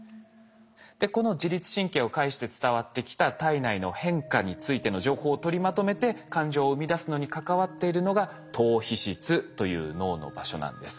でこの自律神経を介して伝わってきた体内の変化についての情報を取りまとめて感情を生み出すのに関わっているのが島皮質という脳の場所なんです。